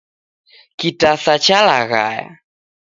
Kitasa chalaghaya